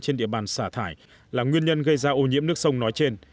trên địa bàn xả thải là nguyên nhân gây ra ô nhiễm nước sông nói trên